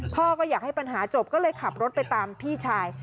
พ่อก็อยากให้ปัญหาจบก็เลยขับรถไปตามพี่ชาย